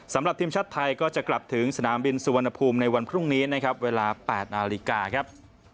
สำหรับทีมชาติไทยก็จะกลับถึงสนามบินสุวรรณภูมิในวันพรุ่งนี้นะครับเวลา๘นาฬิกาครับ